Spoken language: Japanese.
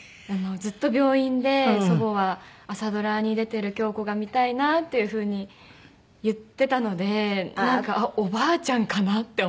ずっと病院で祖母は「朝ドラに出てる京子が見たいな」っていう風に言ってたのでなんかおばあちゃんかなって思いました。